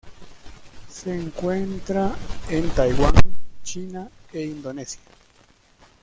Se encuentra en Taiwán, China e Indonesia.